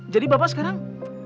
jadi bapak sekarang